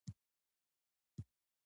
دوی د خپل کار په بدل کې لږ مزد ترلاسه کوي